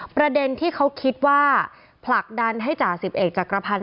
ประเด็นที่เขาคิดว่าผลักดันให้จ่า๑๑จักรพรรณ